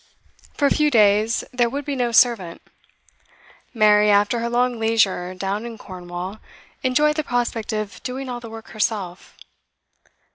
For a few days there would be no servant; Mary, after her long leisure down in Cornwall, enjoyed the prospect of doing all the work herself.